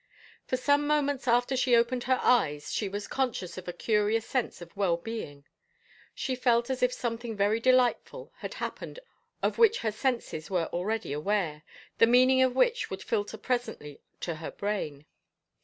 For some moments after she opened her eyes she was conscious of a curious sense of well being. She felt as if something very delightful had happened of which her senses were already aware, the meaning of which would filter presently to her brain.